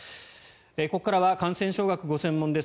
ここからは感染症がご専門です。